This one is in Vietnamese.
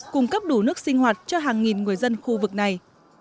cung cấp đủ nước sinh hoạt cho hàng nghìn người dân khu vực này